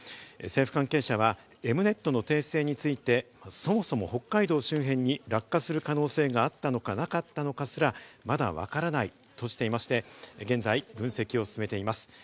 政府関係者はエムネットの訂正について、そもそも北海道周辺に落下する可能性があったのか、なかったのかすら、まだわからないとしていまして、現在、分析を進めています。